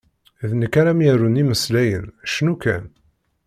D nekk ara m-yarun imeslayen, cnu kan!